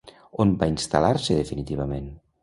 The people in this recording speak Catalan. On va instal·lar-se definitivament?